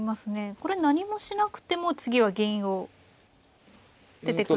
これ何もしなくても次は銀を出てくるんですか。